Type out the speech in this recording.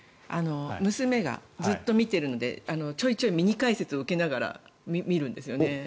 娘がずっと見ているのでちょいちょいミニ解説を受けながら見るんですよね。